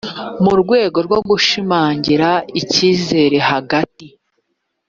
mu rwego rwo gushimangira icyizere hagati